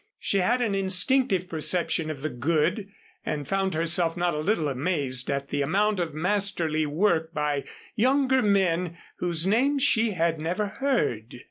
She had an instinctive perception of the good, and found herself not a little amazed at the amount of masterly work by younger men whose names she had never heard.